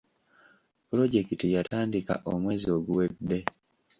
Pulojekiti yatandika omwezi oguwedde